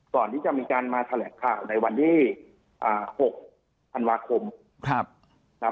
ก่อนที่จะมีการมาแถลงข่าวในวันที่๖ธันวาคมนะครับ